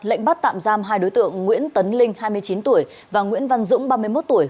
lệnh bắt tạm giam hai đối tượng nguyễn tấn linh hai mươi chín tuổi và nguyễn văn dũng ba mươi một tuổi